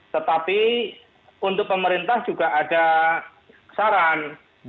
tetapi untuk pemerintah juga ada saran